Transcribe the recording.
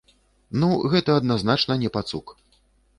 Ну, гэта адназначна не пацук.